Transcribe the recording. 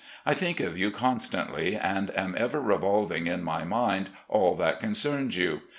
I think of you constantly, and am ever revolving in my mind all that concerns you.